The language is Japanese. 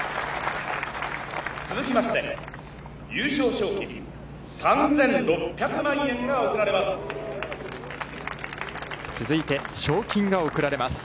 続きまして、優勝賞金３６００万円が贈られます。